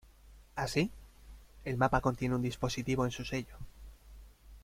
Así, el mapa contiene un dispositivo en su sello.